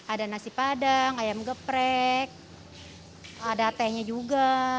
ada nasi padang ayam geprek ada tehnya juga